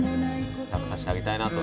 楽させてあげたいなと。